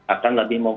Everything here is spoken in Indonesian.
akan lebih mempunyai